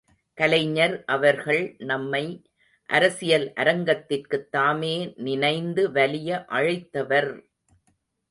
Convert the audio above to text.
கலைஞர் அவர்கள் நம்மை அரசியல் அரங்கத்திற்குத் தாமே நினைந்து வலிய அழைத்தவர்!